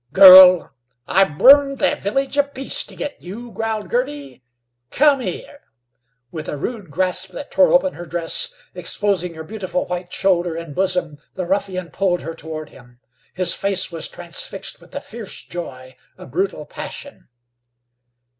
"Girl, I burned the Village of Peace to git you," growled Girty. "Come here!" With a rude grasp that tore open her dress, exposing her beautiful white shoulder and bosom, the ruffian pulled her toward him. His face was transfixed with a fierce joy, a brutal passion.